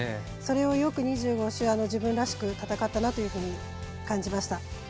それをよく２５周、自分らしく戦ったなというふうに感じました。